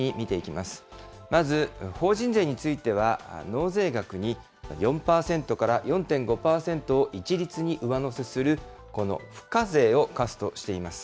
まず法人税については、納税額に４％から４．５％を一律に上乗せする、この付加税を課すとしています。